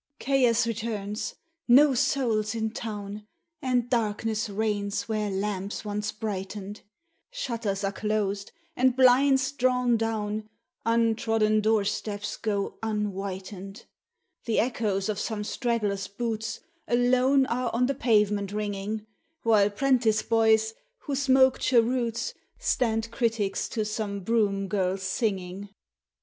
Chaos returns! no soul's in town! And darkness reigns where lamps once brightened; Shutters are closed, and blinds drawn down Untrodden door steps go unwhitened! The echoes of some straggler's boots Alone are on the pavement ringing While 'prentice boys, who smoke cheroots, Stand critics to some broom girl's singing.